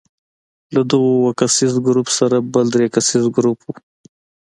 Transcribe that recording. له دغو اووه کسیز ګروپ سره بل درې کسیز ګروپ وو.